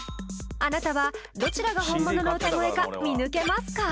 あなたはどちらが本物の歌声か見抜けますか？